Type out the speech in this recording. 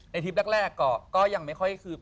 ทริปแรกก็ยังไม่ค่อยคือ